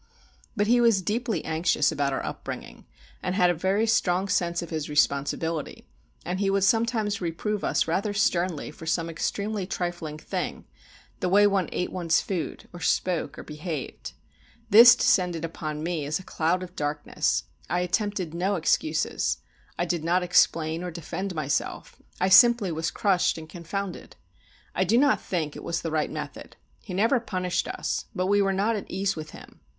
But he was deeply anxious about our upbringing, and had a very strong sense of his responsibility; and he would sometimes reprove us rather sternly for some extremely trifling thing, the way one ate one's food, or spoke, or behaved. This descended upon me as a cloud of darkness; I attempted no excuses, I did not explain or defend myself; I simply was crushed and confounded. I do not think it was the right method. He never punished us, but we were not at ease with him.